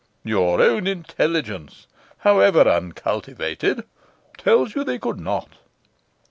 Your own intelligence, however uncultivated, tells you they could not.